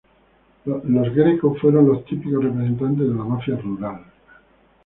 Los Greco fueron los típicos representantes de la mafia rural.